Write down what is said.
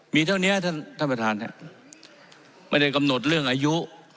มีเท่านี้ท่านประธานไม่ได้กำหนดเรื่องอายุ